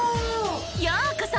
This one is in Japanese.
ようこそ！